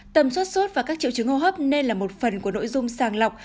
tầm suất suốt và các triệu chứng hô hấp nên là một phần của nội dung sàng lọc